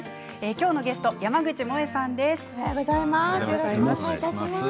今日のゲストは山口もえさんです。